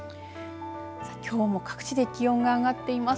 きょうも各地で気温が上がっています。